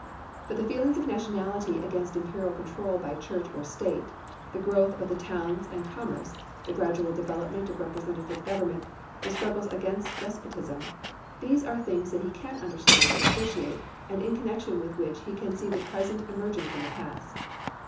But the feelings of nationality against imperial control by Church or State, the growth of the towns and commerce, the gradual development of representative government, the struggles against despotism these are things he can understand and appreciate and in connection with which he can see the present emerging from the past.